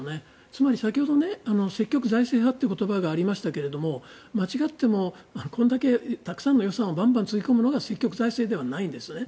つまり、先ほど積極財政派という言葉がありましたが間違ってもこれだけたくさんの予算をバンバンつぎ込むのが積極財政ではないんですよね。